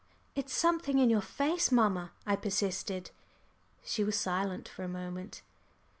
"It's something in your face, mamma," I persisted. She was silent for a moment.